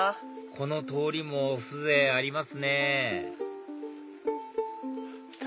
この通りも風情ありますね